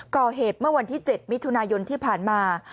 ก่อเหตุเมื่อวันที่๗มิถุนายนที่ผ่านมา